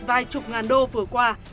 vài chục ngàn đô vừa qua